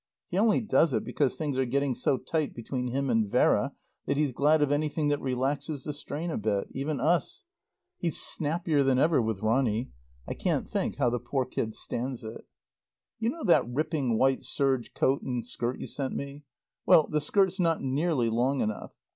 He only does it because things are getting so tight between him and Vera that he's glad of anything that relaxes the strain a bit. Even us. He's snappier than ever with Ronny. I can't think how the poor kid stands it. You know that ripping white serge coat and skirt you sent me? Well, the skirt's not nearly long enough.